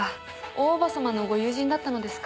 大叔母様のご友人だったのですか。